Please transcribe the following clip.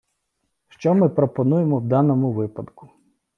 Що ми пропонуємо в даному випадку?